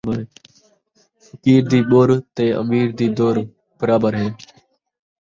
فقیر دی ٻُر تے امیر دی دُر برابر ہے